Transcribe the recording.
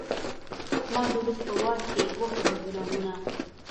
ما د روس په واډکې وکړل ګناهونه